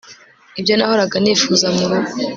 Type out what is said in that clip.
ibyo nahoraga nifuza murugo